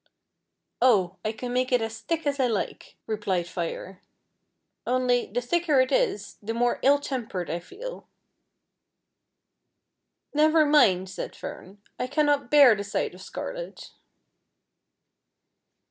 " Oh ! I can make it as thick as I like," replied Fire ;" only, the thicker it is, the more ill tempered I feel." " Never mind," said Fern, " I cannot bear the sight of scarlet."